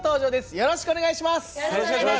よろしくお願いします。